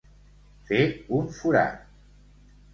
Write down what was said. Fer un forat.